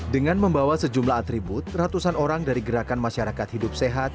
dengan membawa sejumlah atribut ratusan orang dari gerakan masyarakat hidup sehat